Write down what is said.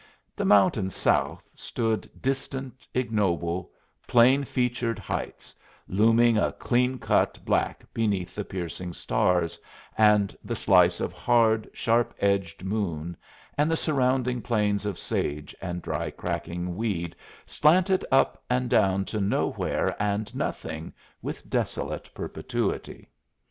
The mountains south stood distant, ignoble, plain featured heights, looming a clean cut black beneath the piercing stars and the slice of hard, sharp edged moon, and the surrounding plains of sage and dry cracking weed slanted up and down to nowhere and nothing with desolate perpetuity.